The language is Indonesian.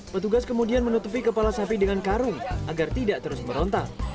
petugas kemudian menutupi kepala sapi dengan karung agar tidak terus merontak